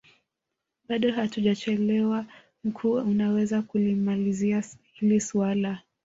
bado hatujachelewa mkuu unaweza kulimalizia hili suala